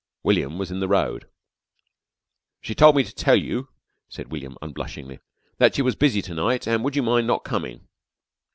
William was in the road. "She told me to tell you," said William unblushingly, "that she was busy to night, an' would you mind not coming."